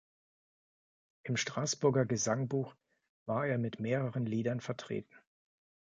Im Straßburger Gesangbuch war er mit mehreren Liedern vertreten.